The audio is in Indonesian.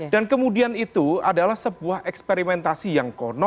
dan kemudian itu adalah sebuah eksperimentasi yang konon